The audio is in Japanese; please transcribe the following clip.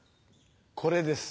これです。